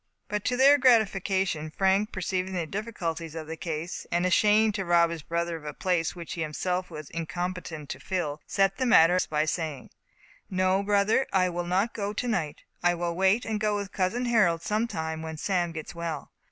But to their gratification, Frank, perceiving the difficulties of the case, and ashamed to rob his brother of a place which he himself was incompetent to fill, set the matter at rest, by saying: "No, brother, I will not go tonight; I will wait and go with Cousin Harold some time when Sam gets well.